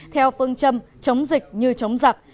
theo phương châm chống dịch như chống giặc